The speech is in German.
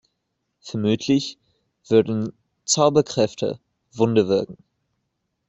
Vermutlich würden Zauberkräfte Wunder wirken.